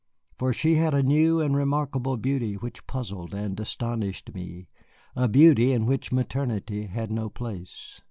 For she had a new and remarkable beauty which puzzled and astonished me, a beauty in which maternity had no place.